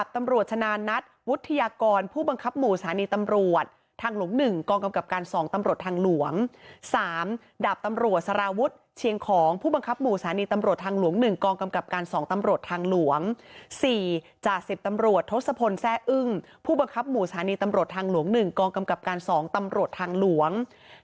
ทุกวังคับหมู่ศาลีตำรวจทางหลวงหนึ่งกรองกำกับการสองตำรวจทางหลวง